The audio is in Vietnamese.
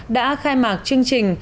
đã khai mạc chương trình